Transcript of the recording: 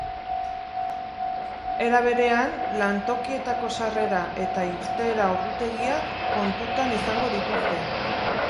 Era berean, lantokietako sarrera eta irteera ordutegiak kontutan izango dituzte.